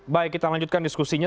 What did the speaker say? baik kita lanjutkan diskusinya